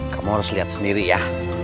kamu harus lihat sendiri ya